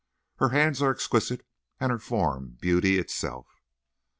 Her hands are exquisite, and her form beauty itself.